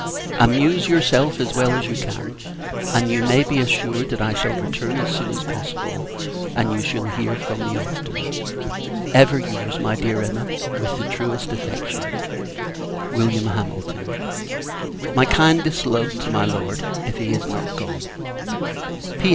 Amuse yourself as well as you can; and you may be assured, that I shall return as soon as possible, and you shall hear from me often. Ever your's, my dear Emma, with the truest affection, Wm. HAMILTON. My kindest love to my Lord, if he is not gone.